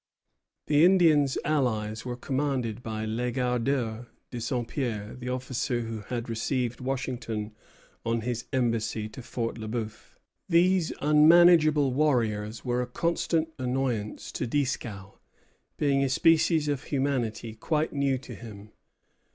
The Indians allies were commanded by Legardeur de Saint Pierre, the officer who had received Washington on his embassy to Fort Le Bœuf. These unmanageable warriors were a constant annoyance to Dieskau, being a species of humanity quite new to him.